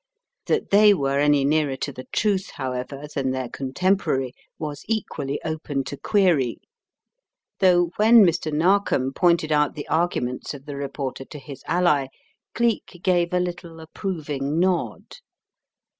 That they were any nearer to the truth, however, than their contempo rary, was equally open to query; though when Mr. Narkom pointed out the arguments of the reporter to his ally Cleek gave a little approving nod.